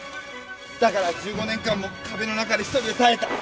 だから１５年間も壁の中で１人で耐えた。